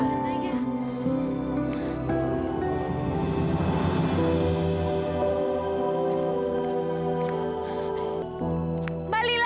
aku harus cari mbak lila